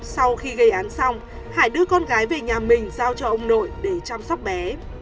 sau khi gây án xong hải đưa con gái về nhà mình giao cho ông nội để chăm sóc bé